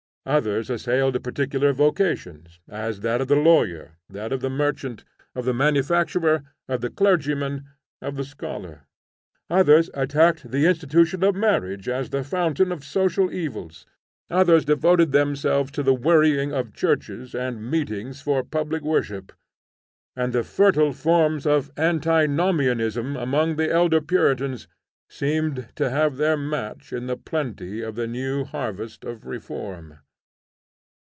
Others assailed particular vocations, as that of the lawyer, that of the merchant, of the manufacturer, of the clergyman, of the scholar. Others attacked the institution of marriage as the fountain of social evils. Others devoted themselves to the worrying of churches and meetings for public worship; and the fertile forms of antinomianism among the elder puritans seemed to have their match in the plenty of the new harvest of reform.